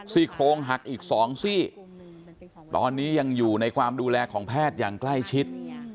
ซี่โครงหักอีก๒ซี่ตอนนี้ยังอยู่ในความดูแลของแพทย์อย่างใกล้ชิด